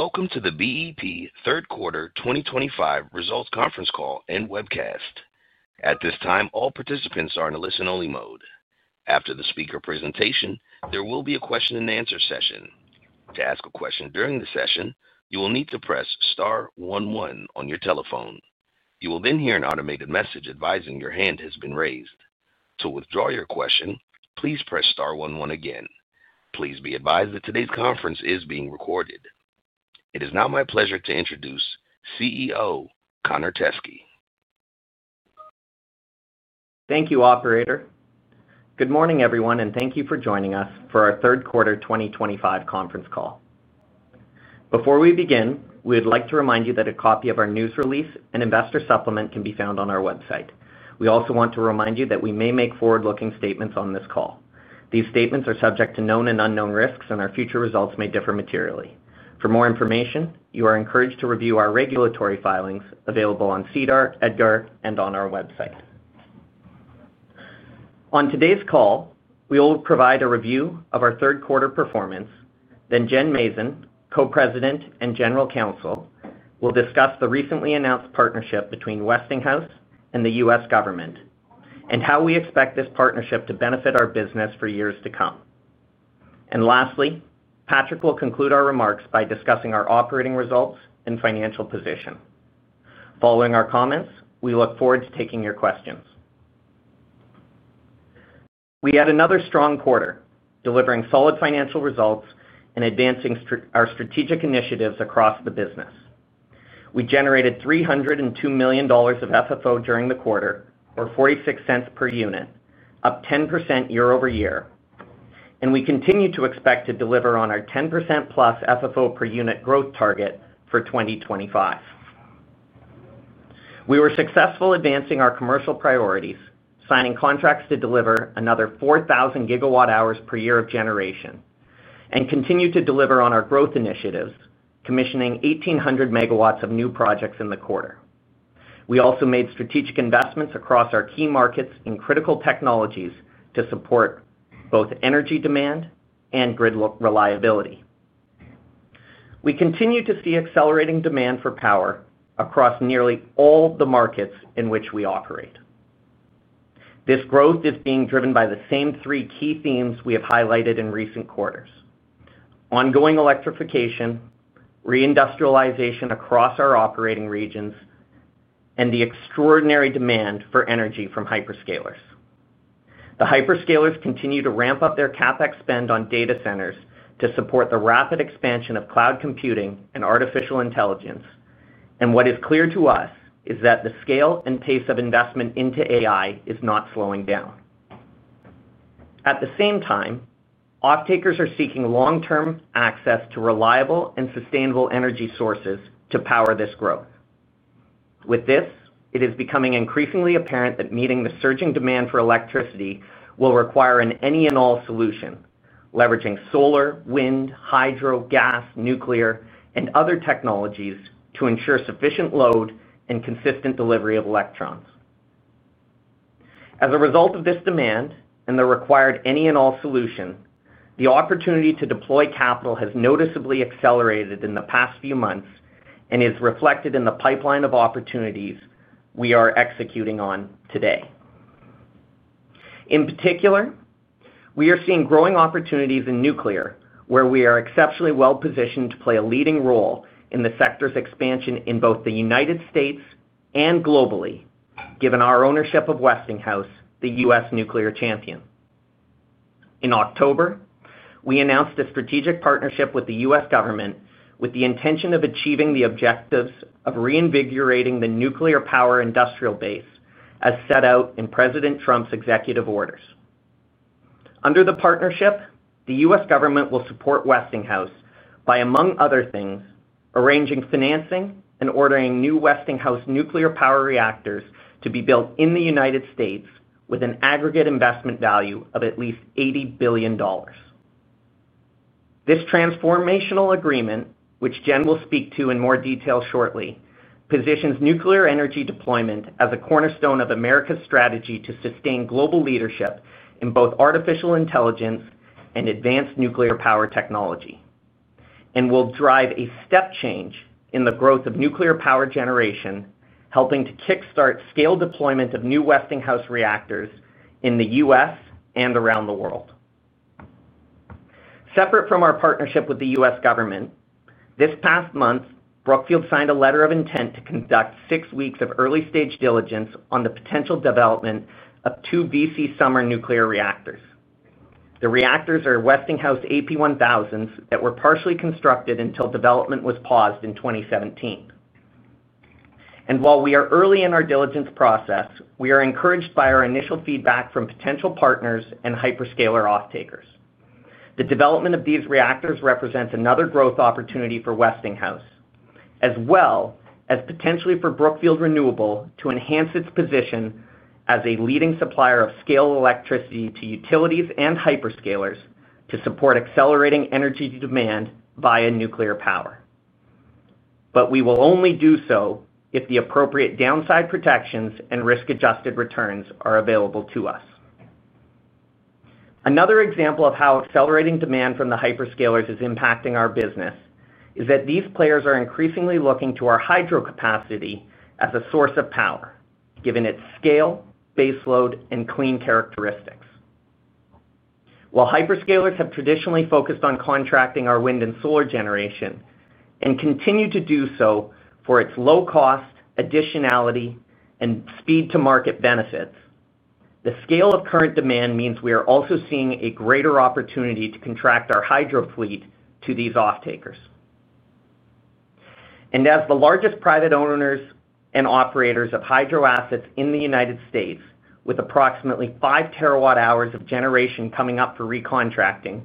Welcome to the BEP Third Quarter 2025 Results Conference Call and Webcast. At this time, all participants are in a listen-only mode. After the speaker presentation, there will be a question-and-answer session. To ask a question during the session, you will need to press star one one on your telephone. You will then hear an automated message advising your hand has been raised. To withdraw your question, please press star one one again. Please be advised that today's conference is being recorded. It is now my pleasure to introduce CEO Connor Teskey. Thank you, Operator. Good morning, everyone, and thank you for joining us for our Third Quarter 2025 Conference Call. Before we begin, we would like to remind you that a copy of our news release and investor supplement can be found on our website. We also want to remind you that we may make forward-looking statements on this call. These statements are subject to known and unknown risks, and our future results may differ materially. For more information, you are encouraged to review our regulatory filings available on SEDAR, EDGAR, and on our website. On today's call, we will provide a review of our third-quarter performance. Jen Mazin, Co-President and General Counsel, will discuss the recently announced partnership between Westinghouse and the U.S. government. We expect this partnership to benefit our business for years to come. Lastly, Patrick will conclude our remarks by discussing our operating results and financial position. Following our comments, we look forward to taking your questions. We had another strong quarter, delivering solid financial results and advancing our strategic initiatives across the business. We generated $302 million of FFO during the quarter, or $0.46 per unit, up 10% year over year, and we continue to expect to deliver on our 10%+ FFO per unit growth target for 2025. We were successful advancing our commercial priorities, signing contracts to deliver another 4,000 GWh per year of generation, and continue to deliver on our growth initiatives, commissioning 1,800 MW of new projects in the quarter. We also made strategic investments across our key markets in critical technologies to support both energy demand and grid reliability. We continue to see accelerating demand for power across nearly all the markets in which we operate. This growth is being driven by the same three key themes we have highlighted in recent quarters. Ongoing electrification, reindustrialization across our operating regions, and the extraordinary demand for energy from hyperscalers. The hyperscalers continue to ramp up their CapEx spend on data centers to support the rapid expansion of cloud computing and artificial intelligence, and what is clear to us is that the scale and pace of investment into AI is not slowing down. At the same time, off-takers are seeking long-term access to reliable and sustainable energy sources to power this growth. With this, it is becoming increasingly apparent that meeting the surging demand for electricity will require an any-and-all solution, leveraging solar, wind, hydro, gas, nuclear, and other technologies to ensure sufficient load and consistent delivery of electrons. As a result of this demand and the required any-and-all solution, the opportunity to deploy capital has noticeably accelerated in the past few months and is reflected in the pipeline of opportunities we are executing on today. In particular, we are seeing growing opportunities in nuclear, where we are exceptionally well-positioned to play a leading role in the sector's expansion in both the United States and globally, given our ownership of Westinghouse, the U.S. nuclear champion. In October, we announced a strategic partnership with the U.S. government with the intention of achieving the objectives of reinvigorating the nuclear power industrial base as set out in President Trump's executive orders. Under the partnership, the U.S. government will support Westinghouse by, among other things, arranging financing and ordering new Westinghouse nuclear power reactors to be built in the United States with an aggregate investment value of at least $80 billion. This transformational agreement, which Jen will speak to in more detail shortly, positions nuclear energy deployment as a cornerstone of America's strategy to sustain global leadership in both artificial intelligence and advanced nuclear power technology, and will drive a step change in the growth of nuclear power generation, helping to kick-start scale deployment of new Westinghouse reactors in the U.S. and around the world. Separate from our partnership with the U.S. government, this past month, Brookfield signed a letter of intent to conduct six weeks of early-stage diligence on the potential development of two VC Summer nuclear reactors. The reactors are Westinghouse AP1000s that were partially constructed until development was paused in 2017. While we are early in our diligence process, we are encouraged by our initial feedback from potential partners and hyperscaler off-takers. The development of these reactors represents another growth opportunity for Westinghouse, as well as potentially for Brookfield Renewable to enhance its position as a leading supplier of scale electricity to utilities and hyperscalers to support accelerating energy demand via nuclear power. We will only do so if the appropriate downside protections and risk-adjusted returns are available to us. Another example of how accelerating demand from the hyperscalers is impacting our business is that these players are increasingly looking to our hydro capacity as a source of power, given its scale, base load, and clean characteristics. While hyperscalers have traditionally focused on contracting our wind and solar generation and continue to do so for its low cost, additionality, and speed-to-market benefits, the scale of current demand means we are also seeing a greater opportunity to contract our hydro fleet to these off-takers. As the largest private owners and operators of hydro assets in the United States, with approximately five terawatt hours of generation coming up for recontracting,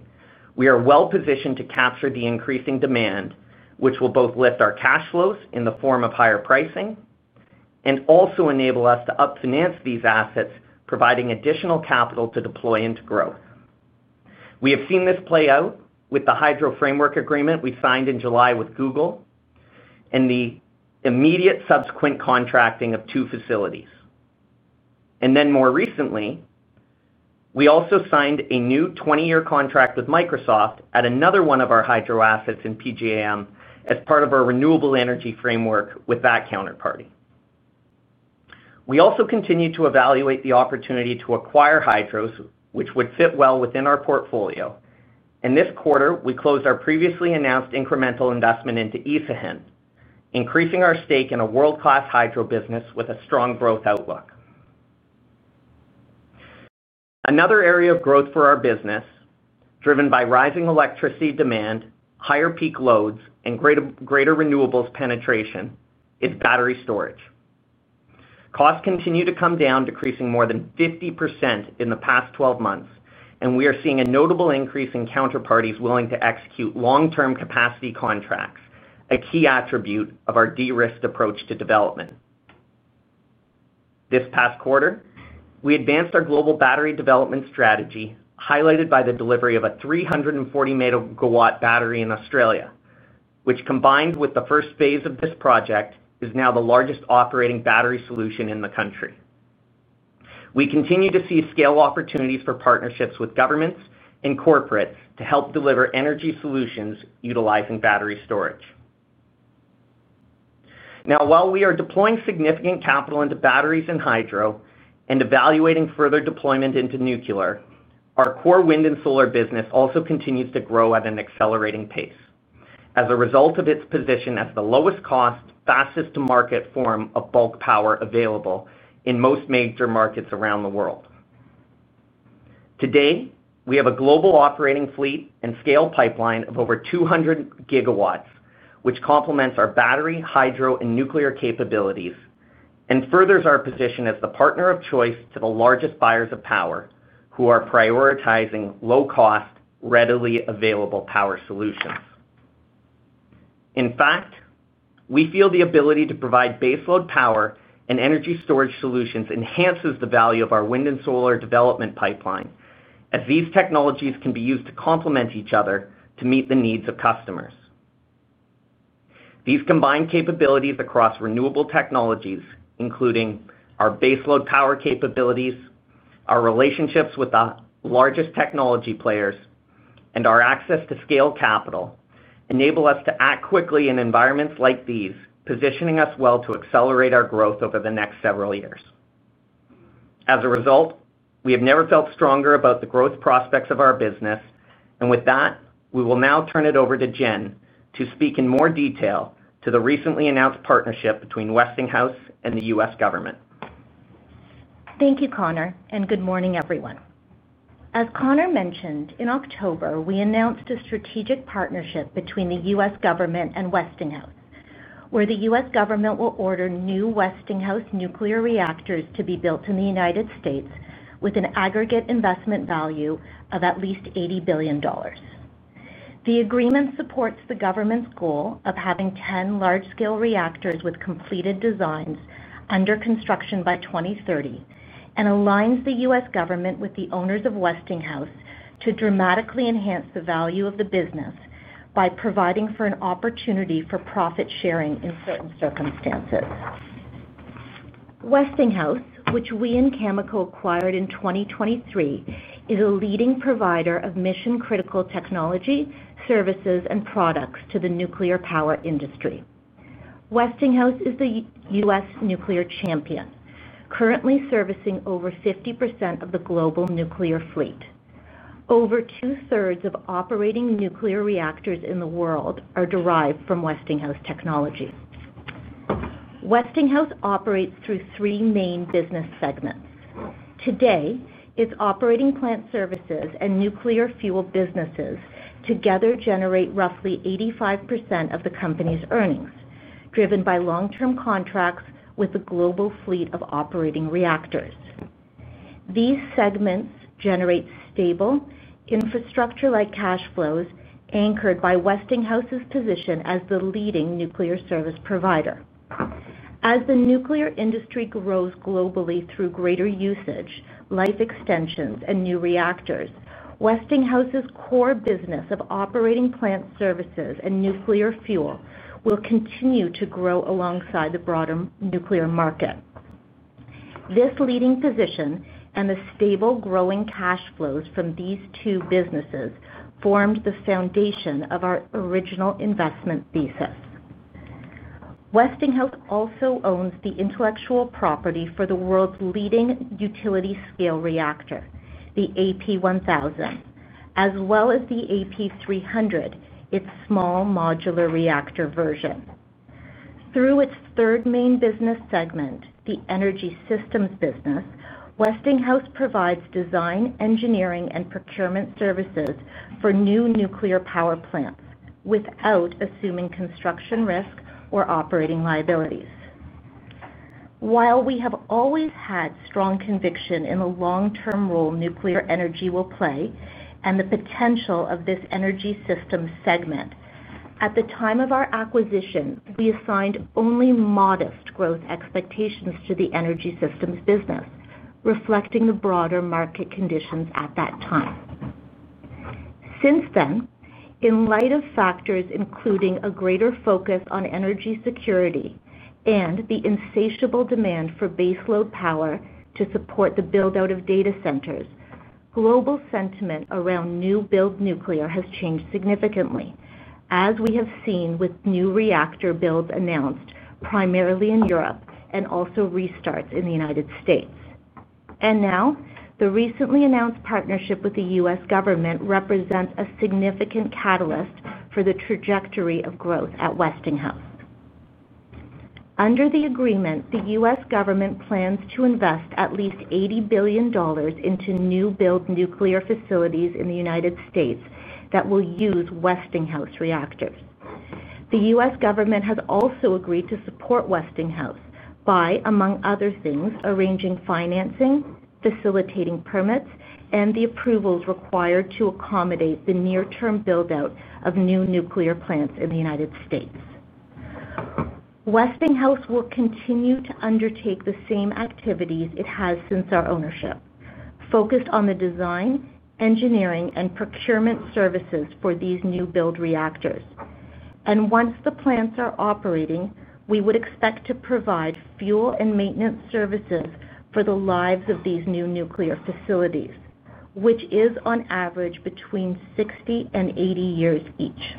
we are well-positioned to capture the increasing demand, which will both lift our cash flows in the form of higher pricing and also enable us to up-finance these assets, providing additional capital to deploy into growth. We have seen this play out with the hydro framework agreement we signed in July with Google, and the immediate subsequent contracting of two facilities. More recently, we also signed a new 20-year contract with Microsoft at another one of our hydro assets in PJM as part of our renewable energy framework with that counterparty. We also continue to evaluate the opportunity to acquire hydros, which would fit well within our portfolio. This quarter, we closed our previously announced incremental investment into Ethahen, increasing our stake in a world-class hydro business with a strong growth outlook. Another area of growth for our business, driven by rising electricity demand, higher peak loads, and greater renewables penetration, is battery storage. Costs continue to come down, decreasing more than 50% in the past 12 months, and we are seeing a notable increase in counterparties willing to execute long-term capacity contracts, a key attribute of our de-risked approach to development. This past quarter, we advanced our global battery development strategy, highlighted by the delivery of a 340 MW battery in Australia, which, combined with the first phase of this project, is now the largest operating battery solution in the country. We continue to see scale opportunities for partnerships with governments and corporates to help deliver energy solutions utilizing battery storage. Now, while we are deploying significant capital into batteries and hydro and evaluating further deployment into nuclear, our core wind and solar business also continues to grow at an accelerating pace as a result of its position as the lowest cost, fastest-to-market form of bulk power available in most major markets around the world. Today, we have a global operating fleet and scale pipeline of over 200 GW, which complements our battery, hydro, and nuclear capabilities and furthers our position as the partner of choice to the largest buyers of power who are prioritizing low-cost, readily available power solutions. In fact, we feel the ability to provide base load power and energy storage solutions enhances the value of our wind and solar development pipeline, as these technologies can be used to complement each other to meet the needs of customers. These combined capabilities across renewable technologies, including our base load power capabilities, our relationships with the largest technology players, and our access to scale capital, enable us to act quickly in environments like these, positioning us well to accelerate our growth over the next several years. As a result, we have never felt stronger about the growth prospects of our business, and with that, we will now turn it over to Jen to speak in more detail to the recently announced partnership between Westinghouse and the U.S. government. Thank you, Connor, and good morning, everyone. As Connor mentioned, in October, we announced a strategic partnership between the U.S. government and Westinghouse, where the U.S. government will order new Westinghouse nuclear reactors to be built in the United States with an aggregate investment value of at least $80 billion. The agreement supports the government's goal of having 10 large-scale reactors with completed designs under construction by 2030 and aligns the U.S. government with the owners of Westinghouse to dramatically enhance the value of the business by providing for an opportunity for profit sharing in certain circumstances. Westinghouse, which we and Cameco acquired in 2023, is a leading provider of mission-critical technology, services, and products to the nuclear power industry. Westinghouse is the U.S. nuclear champion, currently servicing over 50% of the global nuclear fleet. Over two-thirds of operating nuclear reactors in the world are derived from Westinghouse technology. Westinghouse operates through three main business segments. Today, its operating plant services and nuclear fuel businesses together generate roughly 85% of the company's earnings, driven by long-term contracts with the global fleet of operating reactors. These segments generate stable infrastructure-like cash flows anchored by Westinghouse's position as the leading nuclear service provider. As the nuclear industry grows globally through greater usage, life extensions, and new reactors, Westinghouse's core business of operating plant services and nuclear fuel will continue to grow alongside the broader nuclear market. This leading position and the stable growing cash flows from these two businesses formed the foundation of our original investment thesis. Westinghouse also owns the intellectual property for the world's leading utility-scale reactor, the AP1000, as well as the AP300, its small modular reactor version. Through its third main business segment, the energy systems business. Westinghouse provides design, engineering, and procurement services for new nuclear power plants without assuming construction risk or operating liabilities. While we have always had strong conviction in the long-term role nuclear energy will play and the potential of this energy system segment, at the time of our acquisition, we assigned only modest growth expectations to the energy systems business, reflecting the broader market conditions at that time. Since then, in light of factors including a greater focus on energy security and the insatiable demand for base load power to support the build-out of data centers, global sentiment around new-build nuclear has changed significantly, as we have seen with new reactor builds announced primarily in Europe and also restarts in the United States. The recently announced partnership with the U.S. government represents a significant catalyst for the trajectory of growth at Westinghouse. Under the agreement, the U.S. government plans to invest at least $80 billion into new-build nuclear facilities in the United States that will use Westinghouse reactors. The U.S. government has also agreed to support Westinghouse by, among other things, arranging financing, facilitating permits, and the approvals required to accommodate the near-term build-out of new nuclear plants in the United States. Westinghouse will continue to undertake the same activities it has since our ownership, focused on the design, engineering, and procurement services for these new-build reactors. Once the plants are operating, we would expect to provide fuel and maintenance services for the lives of these new nuclear facilities, which is on average between 60 and 80 years each.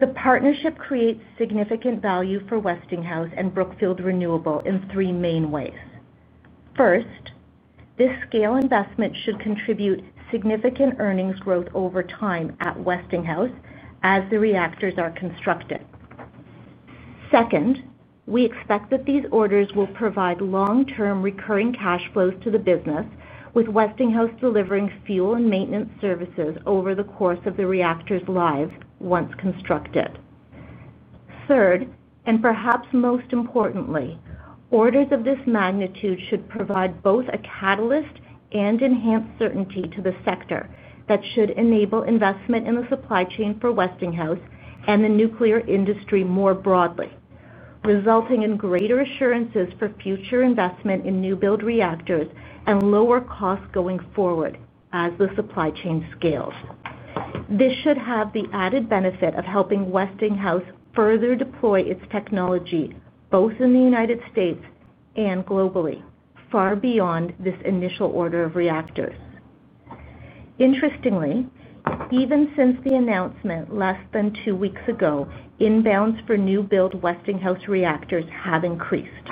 The partnership creates significant value for Westinghouse and Brookfield Renewable in three main ways. First. This scale investment should contribute significant earnings growth over time at Westinghouse as the reactors are constructed. Second, we expect that these orders will provide long-term recurring cash flows to the business, with Westinghouse delivering fuel and maintenance services over the course of the reactor's lives once constructed. Third, and perhaps most importantly, orders of this magnitude should provide both a catalyst and enhanced certainty to the sector that should enable investment in the supply chain for Westinghouse and the nuclear industry more broadly, resulting in greater assurances for future investment in new-build reactors and lower costs going forward as the supply chain scales. This should have the added benefit of helping Westinghouse further deploy its technology both in the United States and globally, far beyond this initial order of reactors. Interestingly, even since the announcement less than two weeks ago, inbounds for new-build Westinghouse reactors have increased.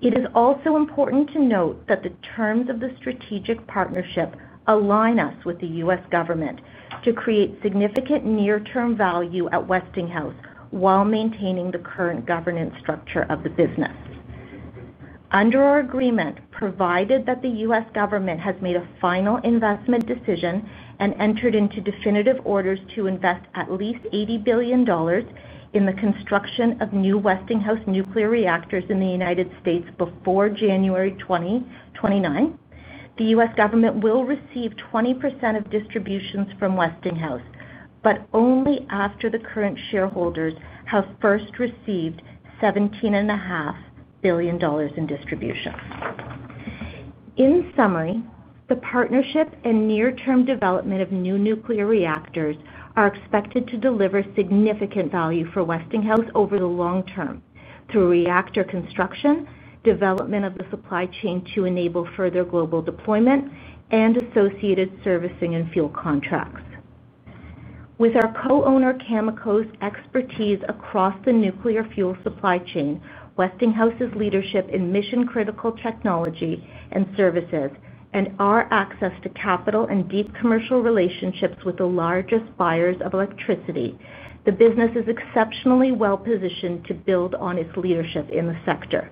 It is also important to note that the terms of the strategic partnership align us with the U.S. government to create significant near-term value at Westinghouse while maintaining the current governance structure of the business. Under our agreement, provided that the U.S. government has made a final investment decision and entered into definitive orders to invest at least $80 billion in the construction of new Westinghouse nuclear reactors in the United States before January 2029, the U.S. government will receive 20% of distributions from Westinghouse, but only after the current shareholders have first received $17.5 billion in distribution. In summary, the partnership and near-term development of new nuclear reactors are expected to deliver significant value for Westinghouse over the long term through reactor construction, development of the supply chain to enable further global deployment, and associated servicing and fuel contracts. With our co-owner Cameco's expertise across the nuclear fuel supply chain, Westinghouse's leadership in mission-critical technology and services, and our access to capital and deep commercial relationships with the largest buyers of electricity, the business is exceptionally well-positioned to build on its leadership in the sector.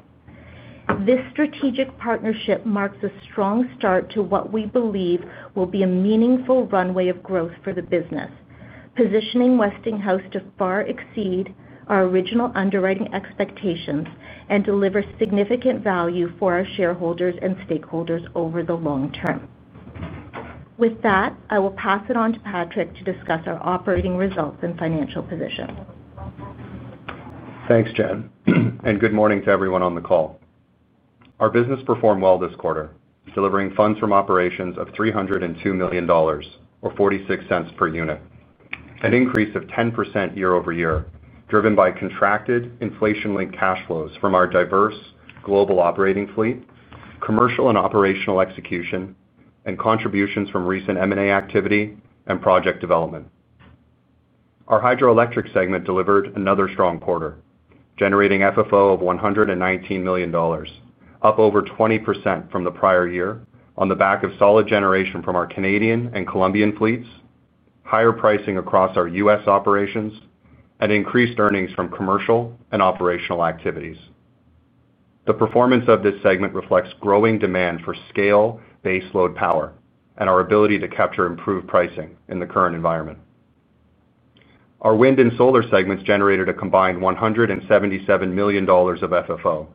This strategic partnership marks a strong start to what we believe will be a meaningful runway of growth for the business. Positioning Westinghouse to far exceed our original underwriting expectations and deliver significant value for our shareholders and stakeholders over the long term. With that, I will pass it on to Patrick to discuss our operating results and financial position. Thanks, Jen. Good morning to everyone on the call. Our business performed well this quarter, delivering funds from operations of $302 million, or $0.46 per unit, an increase of 10% year over year, driven by contracted, inflation-linked cash flows from our diverse global operating fleet, commercial and operational execution, and contributions from recent M&A activity and project development. Our hydroelectric segment delivered another strong quarter, generating FFO of $119 million, up over 20% from the prior year on the back of solid generation from our Canadian and Colombian fleets, higher pricing across our U.S. operations, and increased earnings from commercial and operational activities. The performance of this segment reflects growing demand for scale base load power and our ability to capture improved pricing in the current environment. Our wind and solar segments generated a combined $177 million of FFO,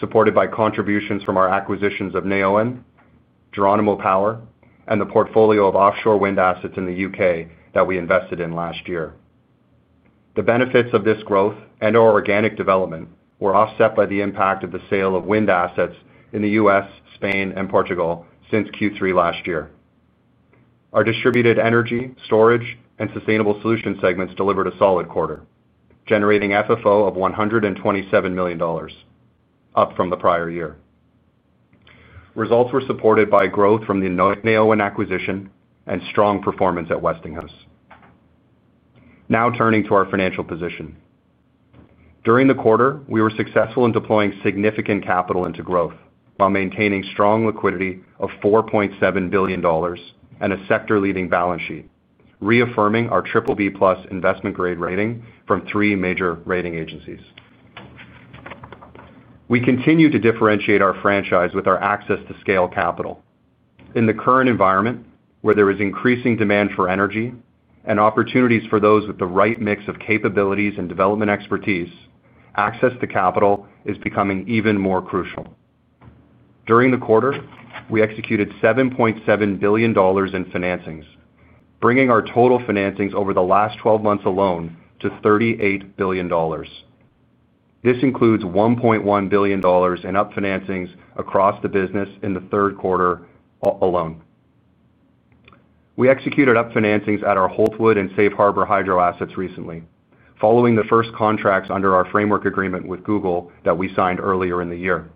supported by contributions from our acquisitions of Neoen, Geronimo Energy, and the portfolio of offshore wind assets in the U.K. that we invested in last year. The benefits of this growth and our organic development were offset by the impact of the sale of wind assets in the U.S., Spain, and Portugal since Q3 last year. Our distributed energy, storage, and sustainable solution segments delivered a solid quarter, generating FFO of $127 million, up from the prior year. Results were supported by growth from the Neoen acquisition and strong performance at Westinghouse. Now turning to our financial position. During the quarter, we were successful in deploying significant capital into growth while maintaining strong liquidity of $4.7 billion and a sector-leading balance sheet, reaffirming our BBB Plus investment-grade rating from three major rating agencies. We continue to differentiate our franchise with our access to scale capital. In the current environment, where there is increasing demand for energy and opportunities for those with the right mix of capabilities and development expertise, access to capital is becoming even more crucial. During the quarter, we executed $7.7 billion in financings, bringing our total financings over the last 12 months alone to $38 billion. This includes $1.1 billion in upfinancings across the business in the third quarter alone. We executed upfinancings at our Holtwood and Safe Harbor hydro assets recently, following the first contracts under our framework agreement with Google that we signed earlier in the year.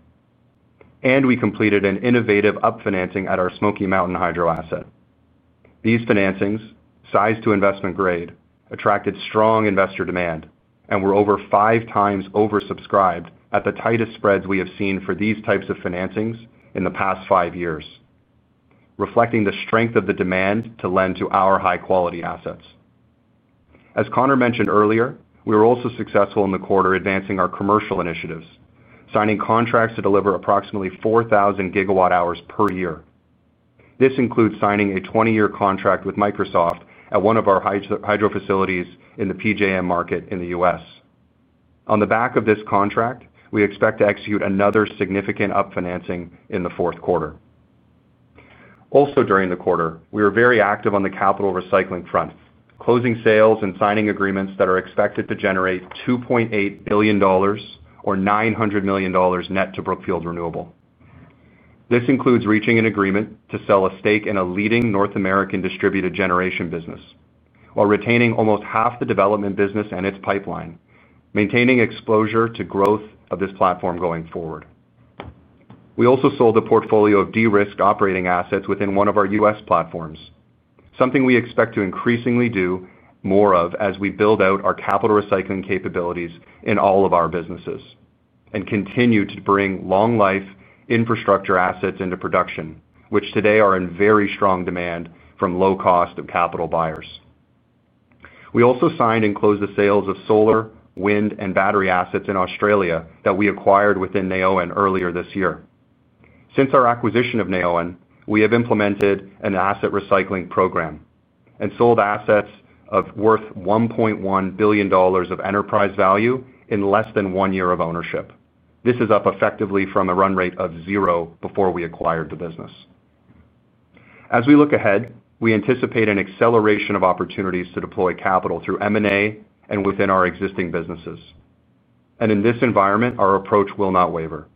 We completed an innovative upfinancing at our Smoky Mountain hydro asset. These financings, sized to investment grade, attracted strong investor demand and were over five times oversubscribed at the tightest spreads we have seen for these types of financings in the past five years, reflecting the strength of the demand to lend to our high-quality assets. As Connor mentioned earlier, we were also successful in the quarter advancing our commercial initiatives, signing contracts to deliver approximately 4,000 gigawatt hours per year. This includes signing a 20-year contract with Microsoft at one of our hydro facilities in the PJM market in the U.S. On the back of this contract, we expect to execute another significant upfinancing in the fourth quarter. Also, during the quarter, we were very active on the capital recycling front, closing sales and signing agreements that are expected to generate $2.8 billion, or $900 million net to Brookfield Renewable. This includes reaching an agreement to sell a stake in a leading North American distributed generation business while retaining almost half the development business and its pipeline, maintaining exposure to growth of this platform going forward. We also sold a portfolio of de-risked operating assets within one of our U.S. platforms, something we expect to increasingly do more of as we build out our capital recycling capabilities in all of our businesses and continue to bring long-life infrastructure assets into production, which today are in very strong demand from low-cost capital buyers. We also signed and closed the sales of solar, wind, and battery assets in Australia that we acquired within Neoen earlier this year. Since our acquisition of Neoen, we have implemented an asset recycling program and sold assets worth $1.1 billion of enterprise value in less than one year of ownership. This is up effectively from a run rate of zero before we acquired the business. As we look ahead, we anticipate an acceleration of opportunities to deploy capital through M&A and within our existing businesses. In this environment, our approach will not waver.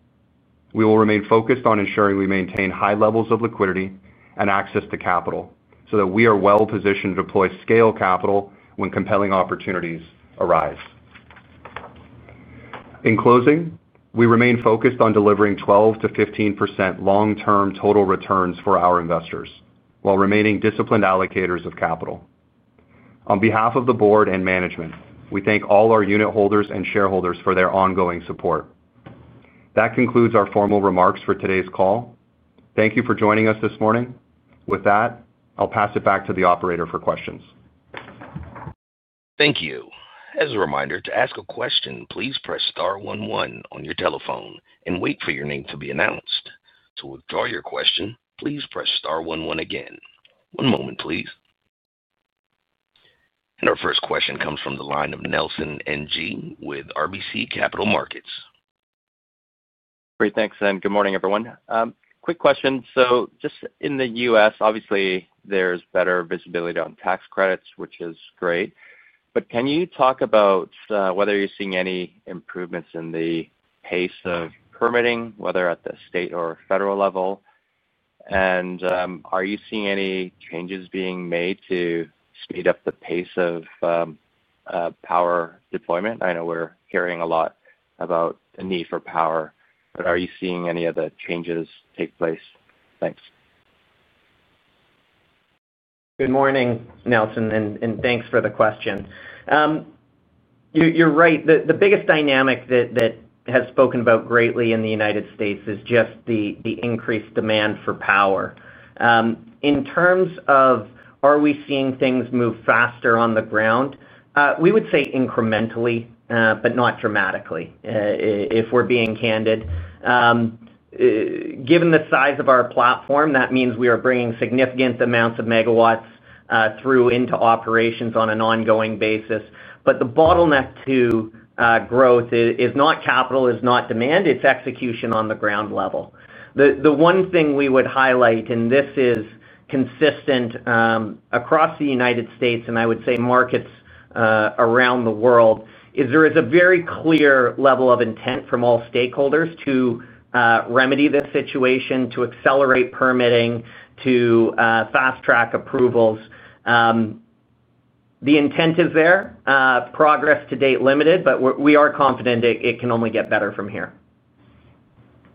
We will remain focused on ensuring we maintain high levels of liquidity and access to capital so that we are well-positioned to deploy scale capital when compelling opportunities arise. In closing, we remain focused on delivering 12%-15% long-term total returns for our investors while remaining disciplined allocators of capital. On behalf of the board and management, we thank all our unit holders and shareholders for their ongoing support. That concludes our formal remarks for today's call. Thank you for joining us this morning. With that, I'll pass it back to the operator for questions. Thank you. As a reminder, to ask a question, please press star one one on your telephone and wait for your name to be announced. To withdraw your question, please press star one one again. One moment, please. Our first question comes from the line of Nelson Ng with RBC Capital Markets. Great. Thanks, and good morning, everyone. Quick question. Just in the U.S., obviously, there's better visibility on tax credits, which is great. Can you talk about whether you're seeing any improvements in the pace of permitting, whether at the state or federal level? Are you seeing any changes being made to speed up the pace of power deployment? I know we're hearing a lot about the need for power, but are you seeing any of the changes take place? Thanks. Good morning, Nelson, and thanks for the question. You're right. The biggest dynamic that has spoken about greatly in the United States is just the increased demand for power. In terms of are we seeing things move faster on the ground, we would say incrementally, but not dramatically, if we're being candid. Given the size of our platform, that means we are bringing significant amounts of megawatts through into operations on an ongoing basis. The bottleneck to growth is not capital, is not demand. It's execution on the ground level. The one thing we would highlight, and this is consistent across the United States, and I would say markets around the world, is there is a very clear level of intent from all stakeholders to remedy this situation, to accelerate permitting, to fast-track approvals. The intent is there. Progress to date limited, but we are confident it can only get better from here.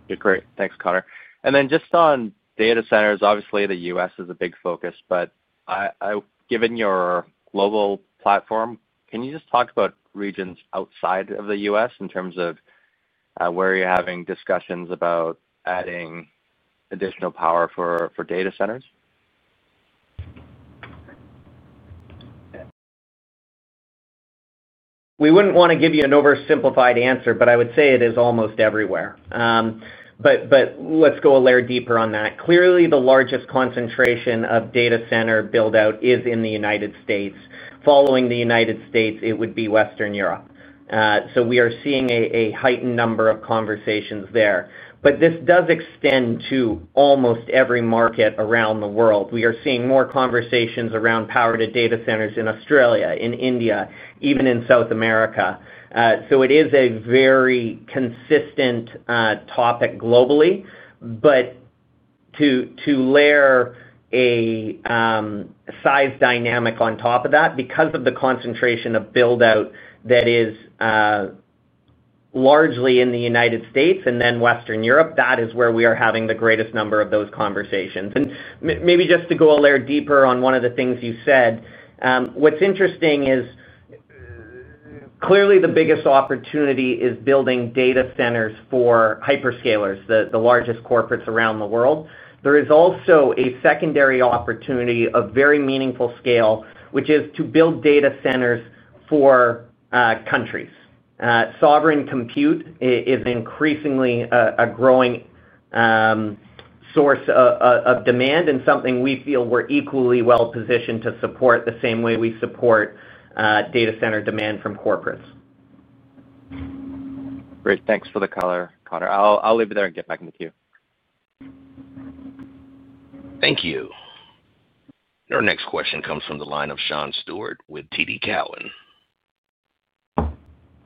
Okay. Great. Thanks, Connor. And then just on data centers, obviously, the U.S. is a big focus, but given your global platform, can you just talk about regions outside of the U.S. in terms of where you're having discussions about adding additional power for data centers? We wouldn't want to give you an oversimplified answer, but I would say it is almost everywhere. Let's go a layer deeper on that. Clearly, the largest concentration of data center buildout is in the United States. Following the United States, it would be Western Europe. We are seeing a heightened number of conversations there. This does extend to almost every market around the world. We are seeing more conversations around power to data centers in Australia, in India, even in South America. It is a very consistent topic globally. To layer a size dynamic on top of that, because of the concentration of buildout that is largely in the United States and then Western Europe, that is where we are having the greatest number of those conversations. Maybe just to go a layer deeper on one of the things you said, what's interesting is. Clearly the biggest opportunity is building data centers for hyperscalers, the largest corporates around the world. There is also a secondary opportunity of very meaningful scale, which is to build data centers for. Countries. Sovereign compute is increasingly a growing. Source of demand and something we feel we're equally well-positioned to support the same way we support. Data center demand from corporates. Great. Thanks for the color, Connor. I'll leave it there and get back into the queue. Thank you. Our next question comes from the line of Sean Steuart with TD Cowen.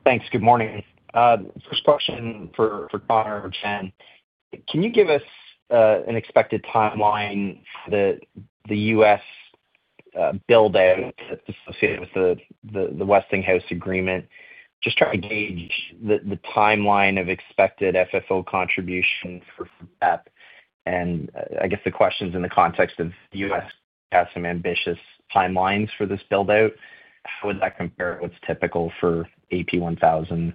Thanks. Good morning. First question for Connor or Jen. Can you give us an expected timeline for the U.S. buildout associated with the Westinghouse agreement? Just trying to gauge the timeline of expected FFO contribution for that. I guess the question's in the context of the U.S. has some ambitious timelines for this buildout. How would that compare to what's typical for AP1000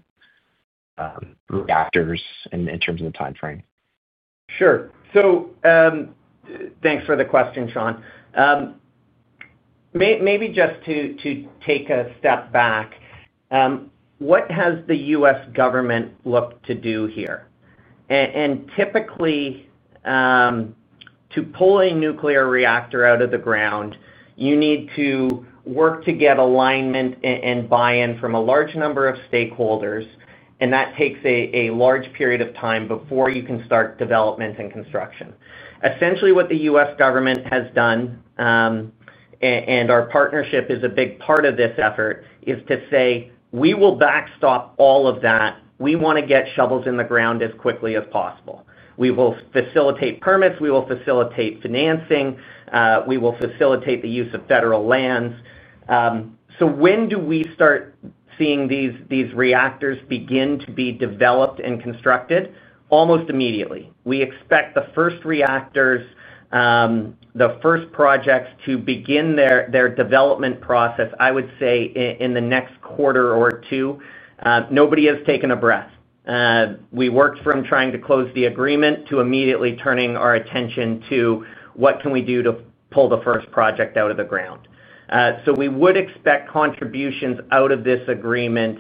reactors in terms of the timeframe? Sure. Thanks for the question, Sean. Maybe just to take a step back. What has the U.S. government looked to do here? Typically, to pull a nuclear reactor out of the ground, you need to work to get alignment and buy-in from a large number of stakeholders, and that takes a large period of time before you can start development and construction. Essentially, what the U.S. government has done, and our partnership is a big part of this effort, is to say, "We will backstop all of that. We want to get shovels in the ground as quickly as possible. We will facilitate permits. We will facilitate financing. We will facilitate the use of federal lands." When do we start seeing these reactors begin to be developed and constructed? Almost immediately. We expect the first reactors, the first projects to begin their development process, I would say, in the next quarter or two. Nobody has taken a breath. We worked from trying to close the agreement to immediately turning our attention to what can we do to pull the first project out of the ground. We would expect contributions out of this agreement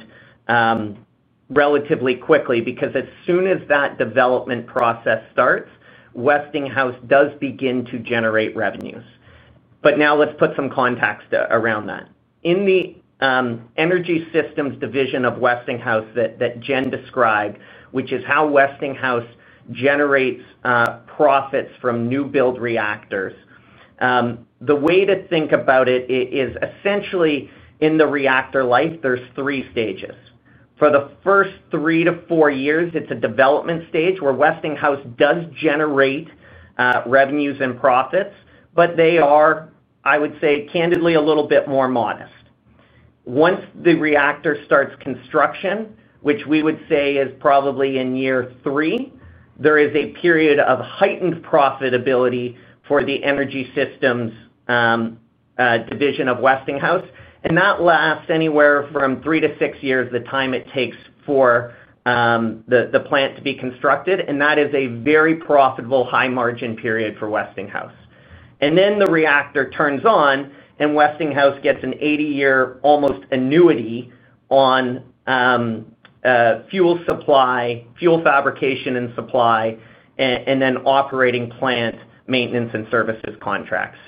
relatively quickly because as soon as that development process starts, Westinghouse does begin to generate revenues. Now, let's put some context around that. In the energy systems division of Westinghouse that Jen described, which is how Westinghouse generates profits from new-build reactors, the way to think about it is essentially in the reactor life, there's three stages. For the first three to four years, it's a development stage where Westinghouse does generate revenues and profits, but they are, I would say, candidly, a little bit more modest. Once the reactor starts construction, which we would say is probably in year three, there is a period of heightened profitability for the energy systems division of Westinghouse. That lasts anywhere from three to six years, the time it takes for the plant to be constructed. That is a very profitable, high-margin period for Westinghouse. Then the reactor turns on, and Westinghouse gets an 80-year almost annuity on fuel fabrication and supply, and then operating plant maintenance and services contracts.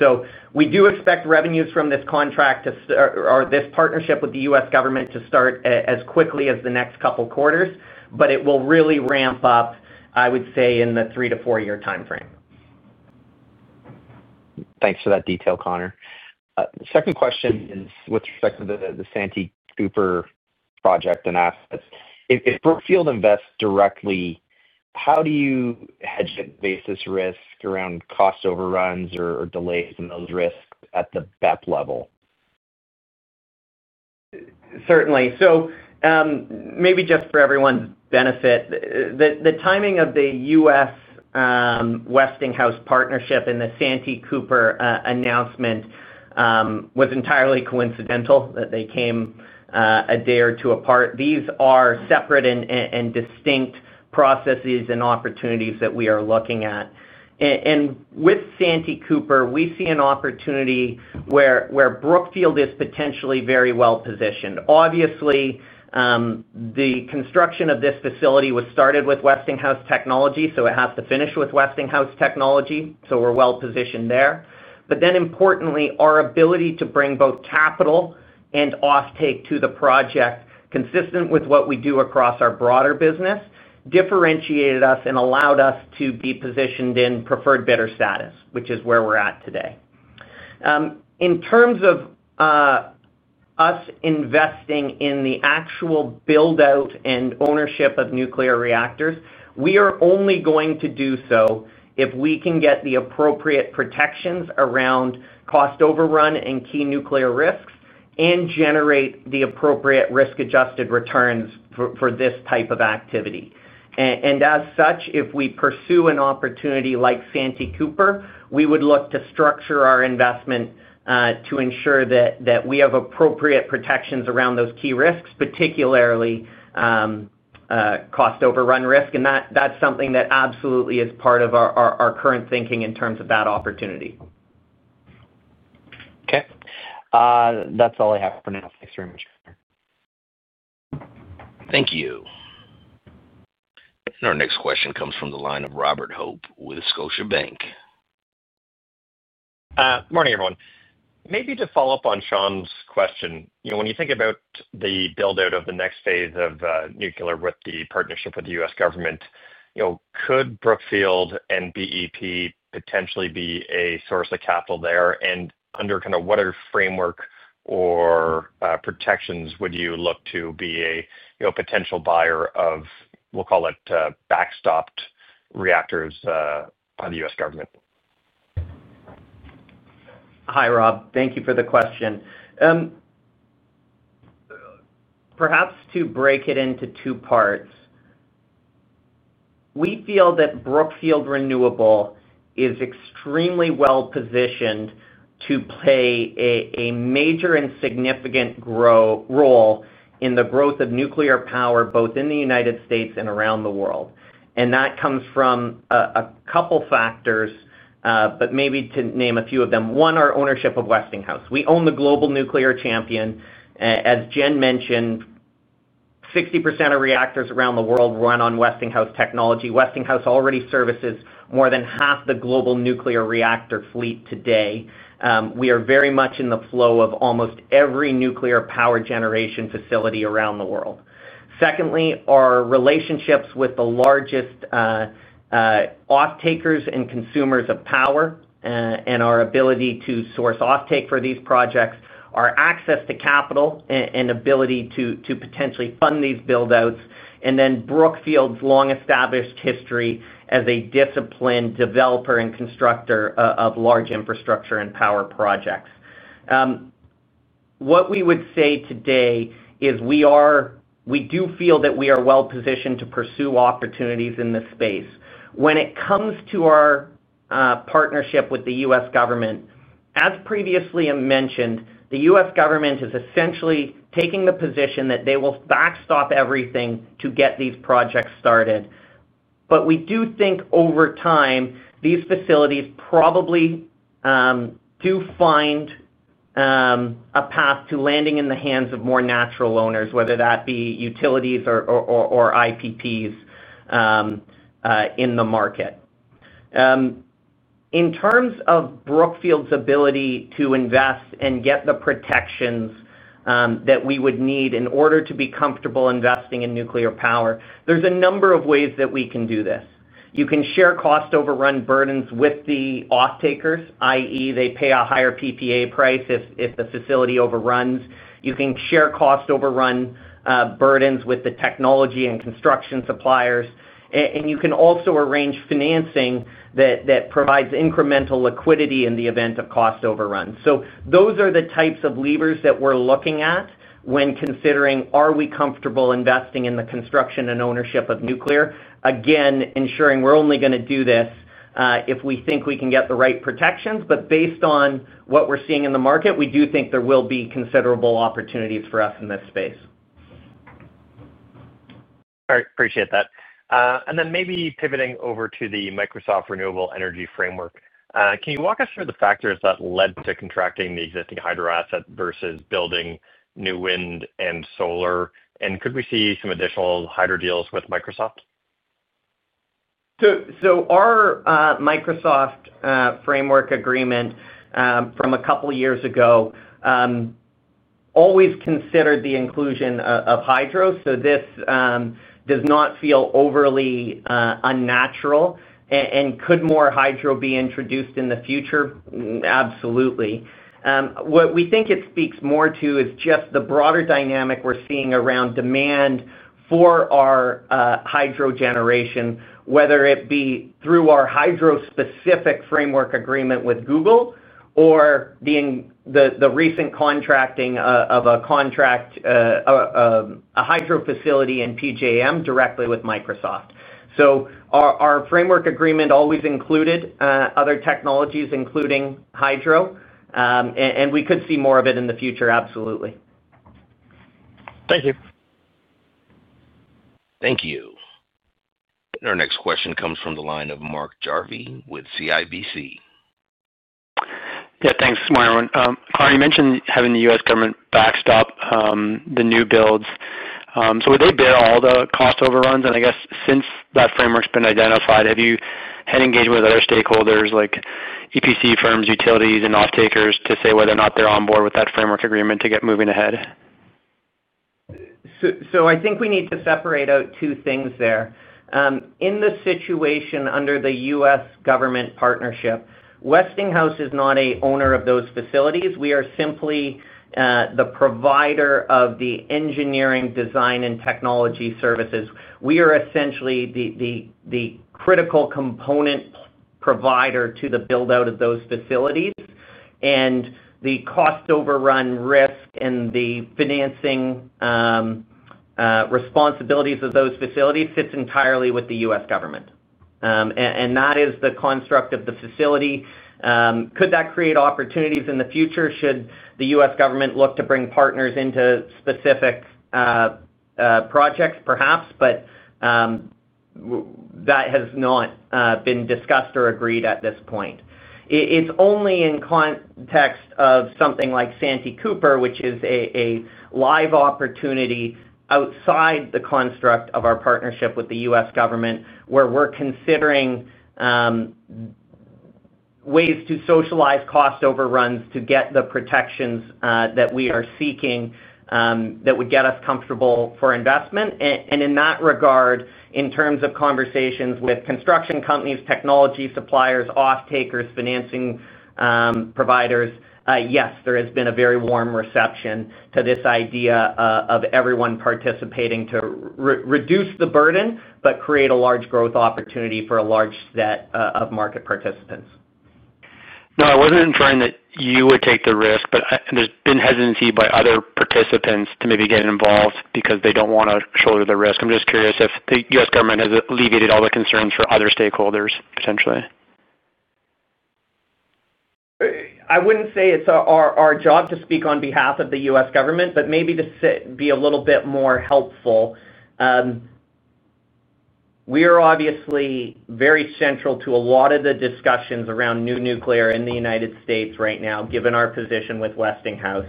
We do expect revenues from this contract or this partnership with the U.S. government to start as quickly as the next couple of quarters, but it will really ramp up, I would say, in the three to four-year timeframe. Thanks for that detail, Connor. Second question is with respect to the Santee Cooper project and assets. If Brookfield invests directly, how do you hedge the basis risk around cost overruns or delays in those risks at the BEP level? Certainly. Maybe just for everyone's benefit, the timing of the U.S. Westinghouse partnership and the Santee Cooper announcement was entirely coincidental that they came a day or two apart. These are separate and distinct processes and opportunities that we are looking at. With Santee Cooper, we see an opportunity where Brookfield is potentially very well-positioned. Obviously, the construction of this facility was started with Westinghouse Technology, so it has to finish with Westinghouse Technology. We are well-positioned there. Importantly, our ability to bring both capital and offtake to the project, consistent with what we do across our broader business, differentiated us and allowed us to be positioned in preferred bidder status, which is where we are at today. In terms of. Us investing in the actual buildout and ownership of nuclear reactors, we are only going to do so if we can get the appropriate protections around cost overrun and key nuclear risks and generate the appropriate risk-adjusted returns for this type of activity. As such, if we pursue an opportunity like Santee Cooper, we would look to structure our investment to ensure that we have appropriate protections around those key risks, particularly cost overrun risk. That is something that absolutely is part of our current thinking in terms of that opportunity. Okay. That's all I have for now. Thanks very much, Connor. Thank you. Our next question comes from the line of Robert Hope with Scotiabank. Morning, everyone. Maybe to follow up on Sean's question, when you think about the buildout of the next phase of nuclear with the partnership with the U.S. government. Could Brookfield and BEP potentially be a source of capital there? And under kind of what framework or protections would you look to be a potential buyer of, we'll call it, backstopped reactors by the U.S. government? Hi, Rob. Thank you for the question. Perhaps to break it into two parts. We feel that Brookfield Renewable is extremely well-positioned to play a major and significant role in the growth of nuclear power, both in the United States and around the world. That comes from a couple of factors, but maybe to name a few of them. One, our ownership of Westinghouse. We own the global nuclear champion. As Jen mentioned, 60% of reactors around the world run on Westinghouse technology. Westinghouse already services more than half the global nuclear reactor fleet today. We are very much in the flow of almost every nuclear power generation facility around the world. Secondly, our relationships with the largest. Offtakers and consumers of power and our ability to source offtake for these projects, our access to capital, and ability to potentially fund these buildouts, and then Brookfield's long-established history as a disciplined developer and constructor of large infrastructure and power projects. What we would say today is we do feel that we are well-positioned to pursue opportunities in this space. When it comes to our partnership with the U.S. government, as previously mentioned, the U.S. government is essentially taking the position that they will backstop everything to get these projects started. We do think over time, these facilities probably do find a path to landing in the hands of more natural owners, whether that be utilities or IPPs in the market. In terms of Brookfield Renewable's ability to invest and get the protections that we would need in order to be comfortable investing in nuclear power, there's a number of ways that we can do this. You can share cost overrun burdens with the offtakers, i.e., they pay a higher PPA price if the facility overruns. You can share cost overrun burdens with the technology and construction suppliers. You can also arrange financing that provides incremental liquidity in the event of cost overrun. Those are the types of levers that we're looking at when considering, are we comfortable investing in the construction and ownership of nuclear? Again, ensuring we're only going to do this if we think we can get the right protections. Based on what we're seeing in the market, we do think there will be considerable opportunities for us in this space. All right. Appreciate that. Maybe pivoting over to the Microsoft Renewable Energy Framework, can you walk us through the factors that led to contracting the existing hydro asset versus building new wind and solar? Could we see some additional hydro deals with Microsoft? Our Microsoft Framework Agreement from a couple of years ago always considered the inclusion of hydro. This does not feel overly unnatural. Could more hydro be introduced in the future? Absolutely. What we think it speaks more to is just the broader dynamic we're seeing around demand for our hydro generation, whether it be through our hydro-specific framework agreement with Google or the recent contracting of a hydro facility in PJM directly with Microsoft. Our framework agreement always included other technologies, including hydro, and we could see more of it in the future, absolutely. Thank you. Thank you. Our next question comes from the line of Mark Jarvi with CIBC. Yeah. Thanks, Mark. Connor, you mentioned having the U.S. government backstop the new builds. Would they bear all the cost overruns? I guess since that framework's been identified, have you had engagement with other stakeholders like EPC firms, utilities, and offtakers to say whether or not they're on board with that framework agreement to get moving ahead? I think we need to separate out two things there. In the situation under the U.S. government partnership, Westinghouse is not an owner of those facilities. We are simply the provider of the engineering, design, and technology services. We are essentially the critical component provider to the buildout of those facilities. The cost overrun risk and the financing responsibilities of those facilities fit entirely with the U.S. government. That is the construct of the facility. Could that create opportunities in the future should the U.S. government look to bring partners into specific projects? Perhaps. That has not been discussed or agreed at this point. It's only in context of something like Santee Cooper, which is a live opportunity outside the construct of our partnership with the U.S. government where we're considering. Ways to socialize cost overruns to get the protections that we are seeking that would get us comfortable for investment. In that regard, in terms of conversations with construction companies, technology suppliers, offtakers, financing providers, yes, there has been a very warm reception to this idea of everyone participating to reduce the burden but create a large growth opportunity for a large set of market participants. Now, I wasn't inferring that you would take the risk, but there's been hesitancy by other participants to maybe get involved because they don't want to shoulder the risk. I'm just curious if the U.S. government has alleviated all the concerns for other stakeholders, potentially. I wouldn't say it's our job to speak on behalf of the U.S. government, but maybe to be a little bit more helpful. We are obviously very central to a lot of the discussions around new nuclear in the United States right now, given our position with Westinghouse.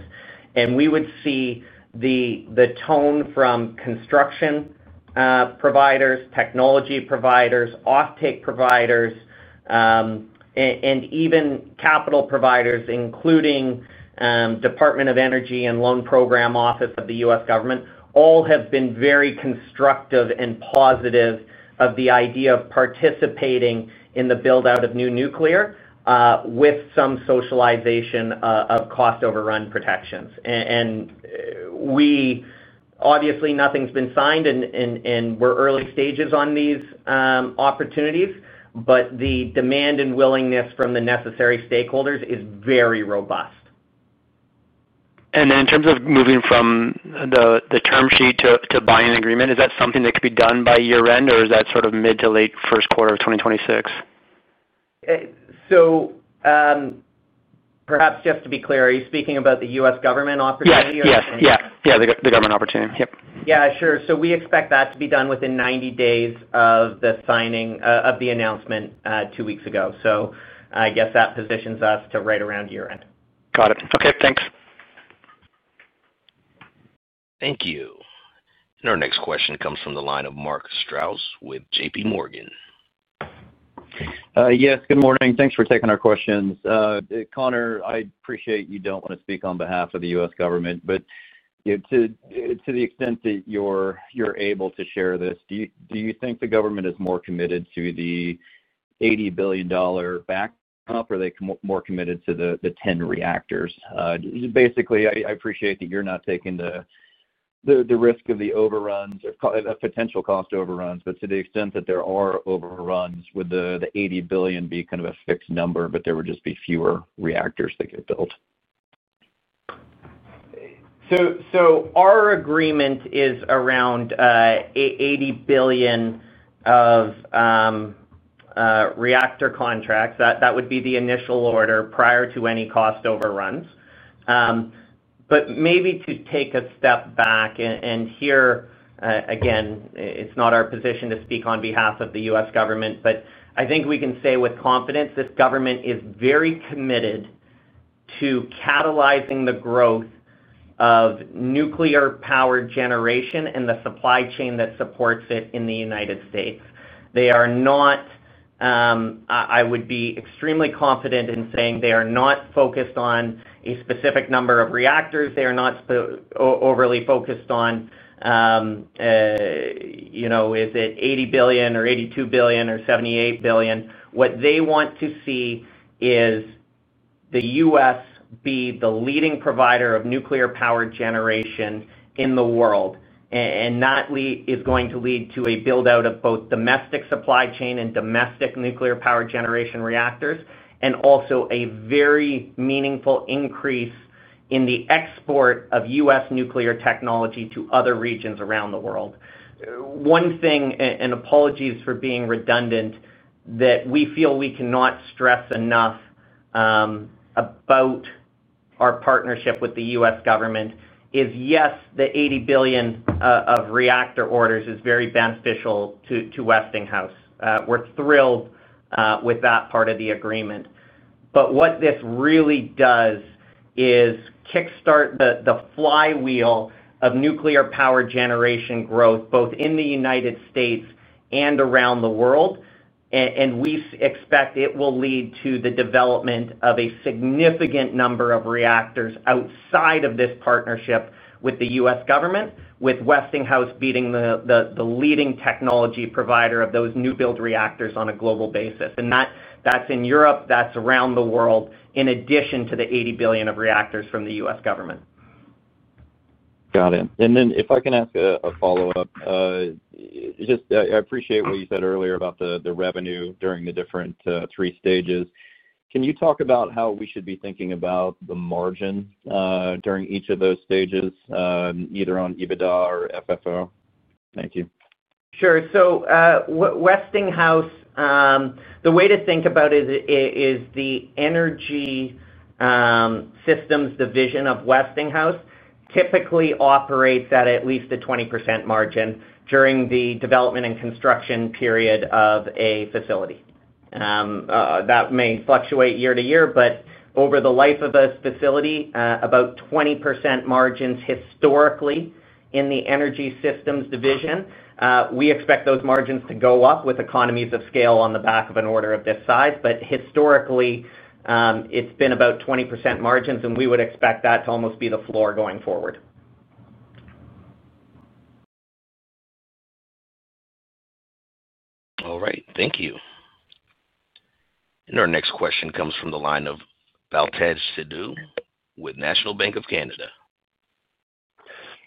We would see the tone from construction providers, technology providers, offtake providers, and even capital providers, including Department of Energy and Loan Program Office of the U.S. government, all have been very constructive and positive of the idea of participating in the buildout of new nuclear with some socialization of cost overrun protections. Obviously, nothing's been signed, and we're early stages on these opportunities, but the demand and willingness from the necessary stakeholders is very robust. In terms of moving from the term sheet to buying an agreement, is that something that could be done by year-end, or is that sort of mid to late first quarter of 2026? Perhaps just to be clear, are you speaking about the U.S. government opportunity or the? Yes. Yeah. The government opportunity. Yep. Yeah. Sure. So we expect that to be done within 90 days of the signing of the announcement two weeks ago. I guess that positions us to right around year-end. Got it. Okay. Thanks. Thank you. Our next question comes from the line of Mark Strouse with JPMorgan. Yes. Good morning. Thanks for taking our questions. Connor, I appreciate you don't want to speak on behalf of the U.S. government, but to the extent that you're able to share this, do you think the government is more committed to the $80 billion backstop, or are they more committed to the 10 reactors? Basically, I appreciate that you're not taking the risk of the overruns or potential cost overruns, but to the extent that there are overruns, would the $80 billion be kind of a fixed number, but there would just be fewer reactors that get built? Our agreement is around $80 billion of reactor contracts. That would be the initial order prior to any cost overruns. Maybe to take a step back here again, it's not our position to speak on behalf of the U.S. government, but I think we can say with confidence that the government is very committed to catalyzing the growth of nuclear power generation and the supply chain that supports it in the United States. I would be extremely confident in saying they are not focused on a specific number of reactors. They are not overly focused on is it $80 billion or $82 billion or $78 billion. What they want to see is the U.S. be the leading provider of nuclear power generation in the world. That is going to lead to a buildout of both domestic supply chain and domestic nuclear power generation reactors, and also a very meaningful increase in the export of U.S. nuclear technology to other regions around the world. One thing, and apologies for being redundant, that we feel we cannot stress enough about our partnership with the U.S. government is, yes, the $80 billion of reactor orders is very beneficial to Westinghouse. We're thrilled with that part of the agreement. What this really does is kickstart the flywheel of nuclear power generation growth, both in the United States and around the world. We expect it will lead to the development of a significant number of reactors outside of this partnership with the U.S. government, with Westinghouse being the leading technology provider of those new-build reactors on a global basis. That is in Europe. That's around the world, in addition to the $80 billion of reactors from the U.S. government. Got it. If I can ask a follow-up. I appreciate what you said earlier about the revenue during the different three stages. Can you talk about how we should be thinking about the margin during each of those stages, either on EBITDA or FFO? Thank you. Sure. Westinghouse, the way to think about it is the energy systems division of Westinghouse typically operates at at least a 20% margin during the development and construction period of a facility. That may fluctuate year to year, but over the life of a facility, about 20% margins historically in the energy systems division. We expect those margins to go up with economies of scale on the back of an order of this size. Historically, it has been about 20% margins, and we would expect that to almost be the floor going forward. All right. Thank you. Our next question comes from the line of Baltej Sidhu with National Bank of Canada.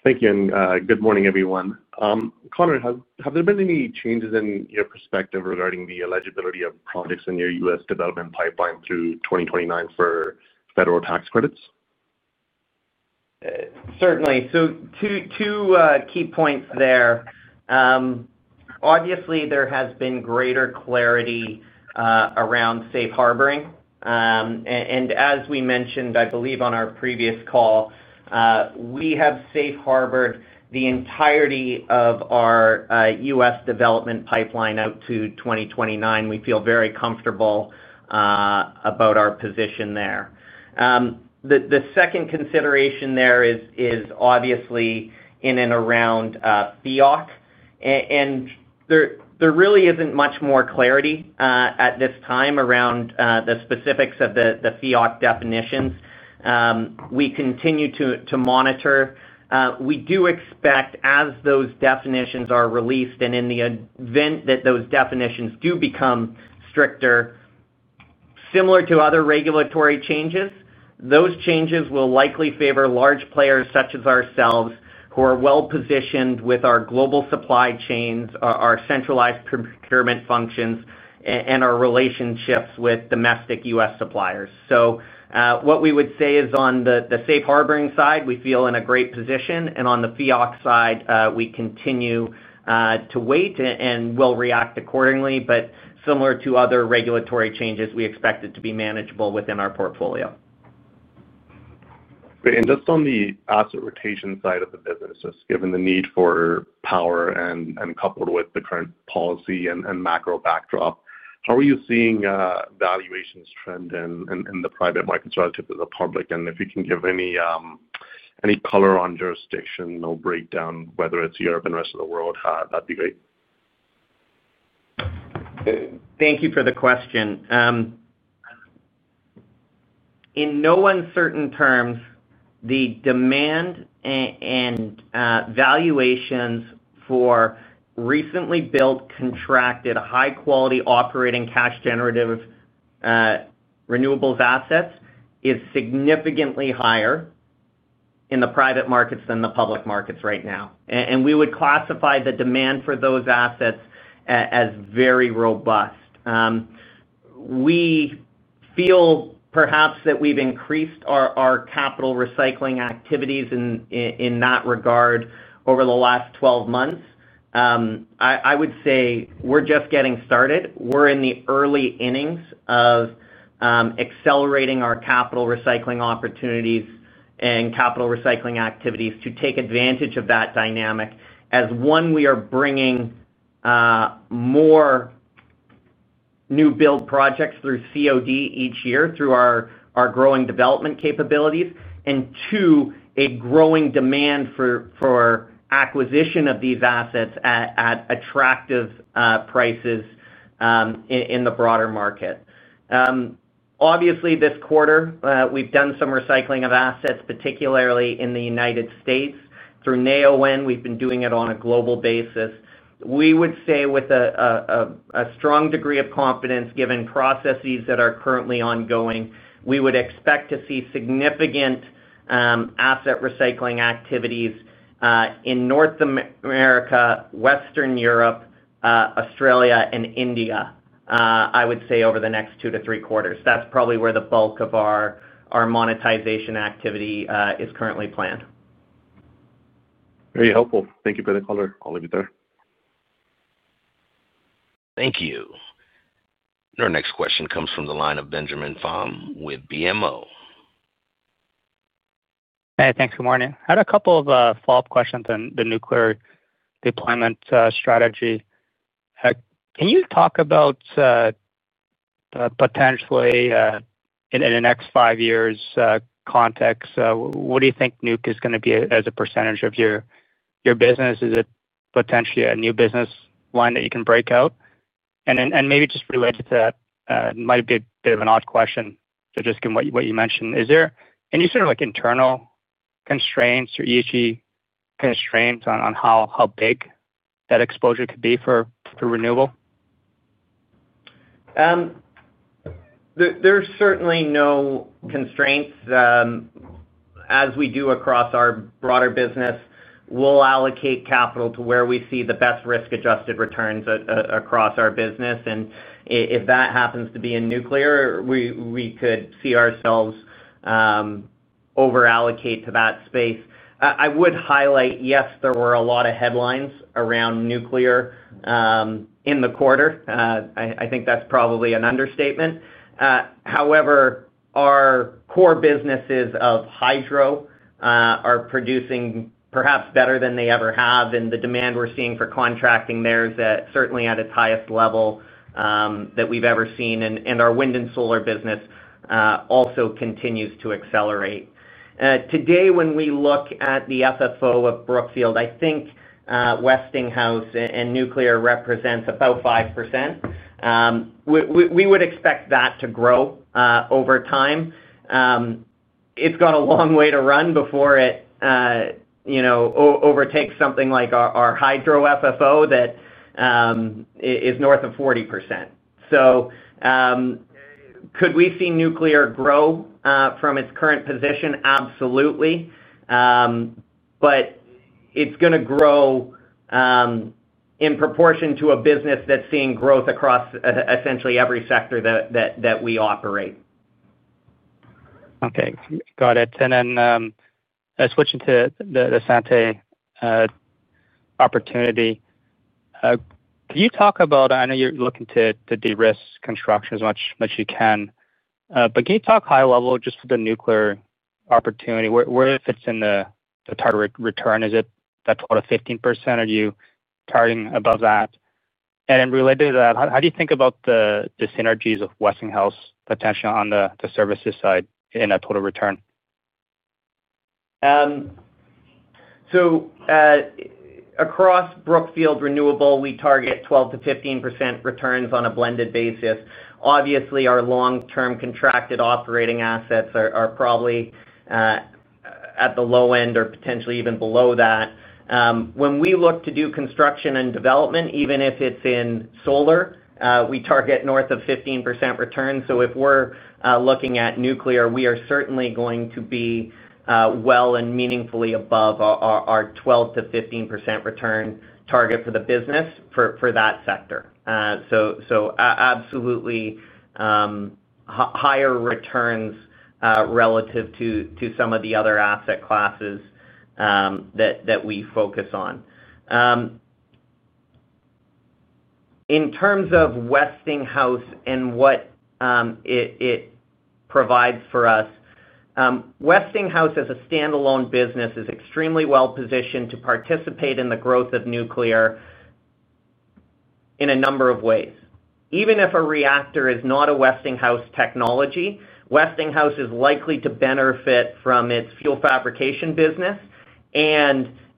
Thank you. Good morning, everyone. Connor, have there been any changes in your perspective regarding the eligibility of projects in your U.S. development pipeline through 2029 for federal tax credits? Certainly. Two key points there. Obviously, there has been greater clarity around safe harboring. As we mentioned, I believe on our previous call, we have safe-harbored the entirety of our U.S. development pipeline out to 2029. We feel very comfortable about our position there. The second consideration there is obviously in and around FEOC. There really isn't much more clarity at this time around the specifics of the FEOC definitions. We continue to monitor. We do expect, as those definitions are released and in the event that those definitions do become stricter, similar to other regulatory changes, those changes will likely favor large players such as ourselves who are well-positioned with our global supply chains, our centralized procurement functions, and our relationships with domestic U.S. suppliers. What we would say is, on the safe-harboring side, we feel in a great position. On the FEOC side, we continue to wait and will react accordingly. Similar to other regulatory changes, we expect it to be manageable within our portfolio. Great. Just on the asset rotation side of the business, just given the need for power and coupled with the current policy and macro backdrop, how are you seeing valuations trend in the private markets relative to the public? If you can give any color on jurisdictional breakdown, whether it's Europe and the rest of the world, that'd be great. Thank you for the question. In no uncertain terms, the demand and valuations for recently built contracted high-quality operating cash-generative renewables assets is significantly higher in the private markets than the public markets right now. We would classify the demand for those assets as very robust. We feel perhaps that we've increased our capital recycling activities in that regard over the last 12 months. I would say we're just getting started. We're in the early innings of accelerating our capital recycling opportunities and capital recycling activities to take advantage of that dynamic. As one, we are bringing more new-build projects through COD each year through our growing development capabilities. And two, a growing demand for acquisition of these assets at attractive prices in the broader market. Obviously, this quarter, we've done some recycling of assets, particularly in the United States through Neoen. We've been doing it on a global basis. We would say with a strong degree of confidence, given processes that are currently ongoing, we would expect to see significant asset recycling activities in North America, Western Europe, Australia, and India, I would say, over the next two to three quarters. That's probably where the bulk of our monetization activity is currently planned. Very helpful. Thank you for the color, Oliver. Thank you. Our next question comes from the line of Benjamin Pham with BMO. Hey, thanks. Good morning. I had a couple of follow-up questions. And the nuclear deployment strategy. Can you talk about, potentially, in the next five years' context? What do you think NUC is going to be as a percentage of your business? Is it potentially a new business line that you can break out? Maybe just related to that, it might be a bit of an odd question, but just given what you mentioned, is there any sort of internal constraints or ESG constraints on how big that exposure could be for renewable? There's certainly no constraints. As we do across our broader business, we'll allocate capital to where we see the best risk-adjusted returns across our business. If that happens to be in nuclear, we could see ourselves over-allocate to that space. I would highlight, yes, there were a lot of headlines around nuclear in the quarter. I think that's probably an understatement. However, our core businesses of hydro are producing perhaps better than they ever have, and the demand we're seeing for contracting there is certainly at its highest level that we've ever seen. Our wind and solar business also continues to accelerate. Today, when we look at the FFO of Brookfield Renewable, I think Westinghouse and nuclear represents about 5%. We would expect that to grow over time. It's got a long way to run before it overtakes something like our hydro FFO that is north of 40%. Could we see nuclear grow from its current position? Absolutely. It is going to grow in proportion to a business that's seeing growth across essentially every sector that we operate. Okay. Got it. Then, switching to the Santee opportunity. Can you talk about, I know you're looking to de-risk construction as much as you can, but can you talk high-level just for the nuclear opportunity? Where it fits in the target return? Is it that 12-15%? Are you targeting above that? Related to that, how do you think about the synergies of Westinghouse potential on the services side in that total return? Across Brookfield Renewable, we target 12-15% returns on a blended basis. Obviously, our long-term contracted operating assets are probably at the low end or potentially even below that. When we look to do construction and development, even if it is in solar, we target north of 15% return. If we are looking at nuclear, we are certainly going to be well and meaningfully above our 12-15% return target for the business for that sector. Absolutely higher returns relative to some of the other asset classes that we focus on. In terms of Westinghouse and what it provides for us, Westinghouse, as a standalone business, is extremely well-positioned to participate in the growth of nuclear in a number of ways. Even if a reactor is not a Westinghouse technology, Westinghouse is likely to benefit from its fuel fabrication business.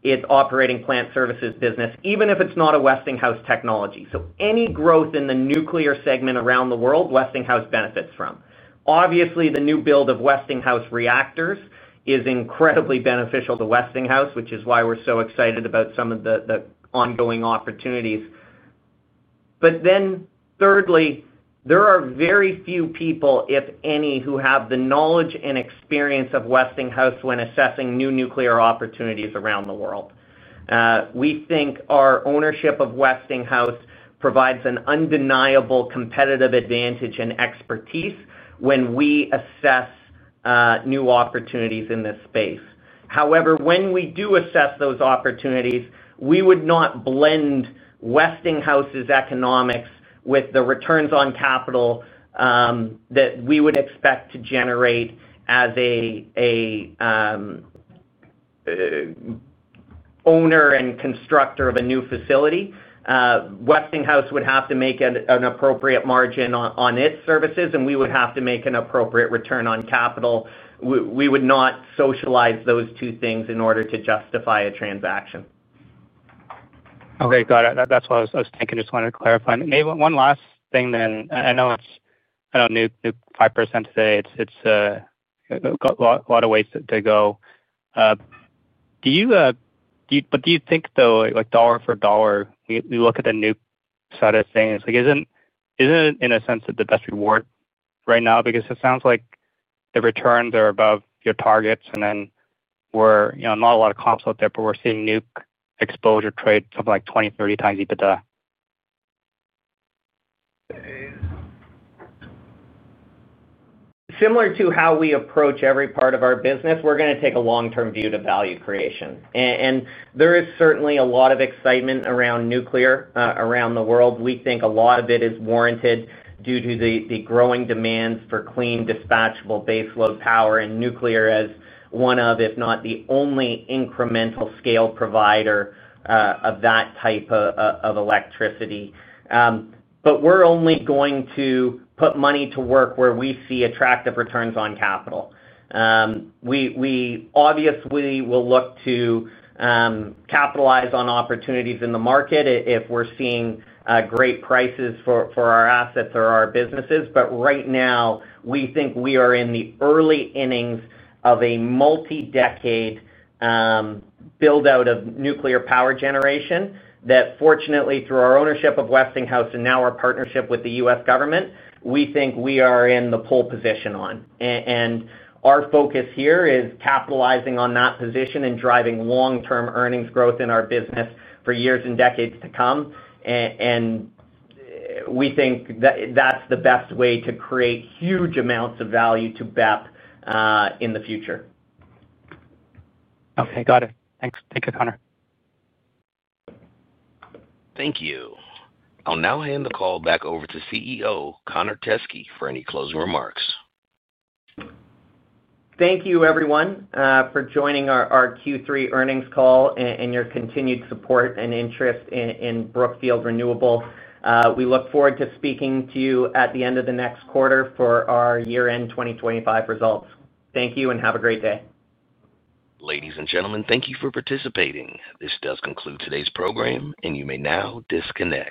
Its operating plant services business, even if it is not a Westinghouse technology. Any growth in the nuclear segment around the world, Westinghouse benefits from. Obviously, the new build of Westinghouse reactors is incredibly beneficial to Westinghouse, which is why we are so excited about some of the ongoing opportunities. Thirdly, there are very few people, if any, who have the knowledge and experience of Westinghouse when assessing new nuclear opportunities around the world. We think our ownership of Westinghouse provides an undeniable competitive advantage and expertise when we assess new opportunities in this space. However, when we do assess those opportunities, we would not blend Westinghouse's economics with the returns on capital that we would expect to generate as an owner and constructor of a new facility. Westinghouse would have to make an appropriate margin on its services, and we would have to make an appropriate return on capital. We would not socialize those two things in order to justify a transaction. Okay. Got it. That's what I was thinking. Just wanted to clarify. Maybe one last thing then. I know it's 5% today. It's got a lot of ways to go. Do you think, though, dollar for dollar, we look at the NUC side of things, isn't it, in a sense, the best reward right now? Because it sounds like the returns are above your targets. We're not a lot of comps out there, but we're seeing NUC exposure trade something like 20-30 times EBITDA. Similar to how we approach every part of our business, we're going to take a long-term view to value creation. There is certainly a lot of excitement around nuclear around the world. We think a lot of it is warranted due to the growing demand for clean dispatchable base load power and nuclear as one of, if not the only incremental scale provider of that type of electricity. We're only going to put money to work where we see attractive returns on capital. We obviously will look to capitalize on opportunities in the market if we're seeing great prices for our assets or our businesses. Right now, we think we are in the early innings of a multi-decade build-out of nuclear power generation that, fortunately, through our ownership of Westinghouse and now our partnership with the U.S. government, we think we are in the pole position on. Our focus here is capitalizing on that position and driving long-term earnings growth in our business for years and decades to come. We think that's the best way to create huge amounts of value to BEP in the future. Okay. Got it. Thanks. Thank you, Connor. Thank you. I'll now hand the call back over to CEO Connor Teskey for any closing remarks. Thank you, everyone, for joining our Q3 earnings call and your continued support and interest in Brookfield Renewable. We look forward to speaking to you at the end of the next quarter for our year-end 2025 results. Thank you and have a great day. Ladies and gentlemen, thank you for participating. This does conclude today's program, and you may now disconnect.